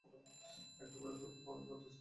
একটু পরে তোমাকে কল করতেছি মা।